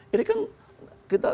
ini kan kita